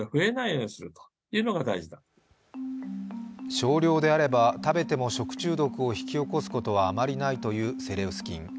少量であれば食べても食中毒を引き起こすことはあまりないというセレウス菌